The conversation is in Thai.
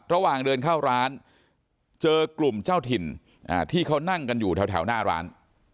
ระหว่างเดินเข้าร้านเจอกลุ่มเจ้าถิ่นที่เขานั่งกันอยู่แถวหน้าร้าน